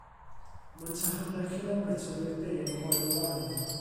Mae tua hanner cilometr i'r de o Foel y Waun.